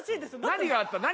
何があったの？